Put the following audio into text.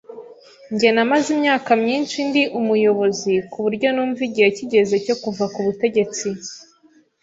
Njye namaze imyaka myinshi ndi umuyobozi kuburyo numva igihe kigeze cyo kuva ku butegetsi.